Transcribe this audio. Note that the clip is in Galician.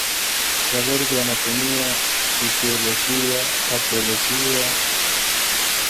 Saber de anatomía, fisioloxía, patoloxía...